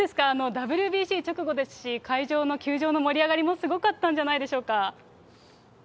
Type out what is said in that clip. ＷＢＣ直後ですし、会場の、球場の盛り上がりもすごかったんじゃないでしょうか。